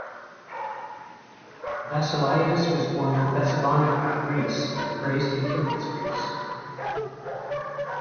Vasileiadis was born in Thessaloniki, Greece, and raised in Kilkis, Greece.